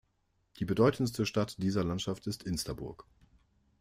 Die bedeutendste Stadt dieser Landschaft ist Insterburg.